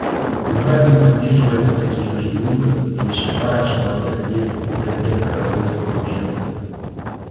Израиль не поддерживает такие призывы и не считает, что они содействуют предметной работе Конференции.